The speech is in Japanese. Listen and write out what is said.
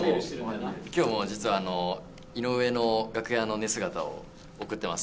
きょうも、実は井上の楽屋の寝姿を送ってます。